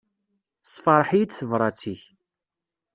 Tessefṛeḥ-iyi-d tebrat-ik.